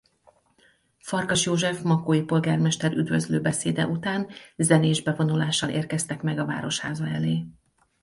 Farkas József makói polgármester üdvözlő beszéde után zenés bevonulással érkeztek meg a városháza elé.